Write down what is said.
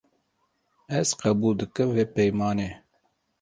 Ez qebûl dikim vê peymanê.